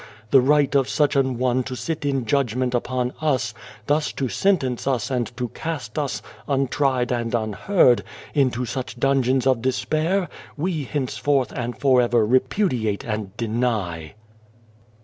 The right of such an one to sit in judgment upon us, thus to sentence us and to cast us, untried and unheard, into such dungeons of despair, we henceforth and for ever repudiate and deny.'"